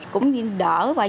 cũng đỡ và dễ dàng